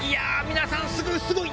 皆さんすごいすごい！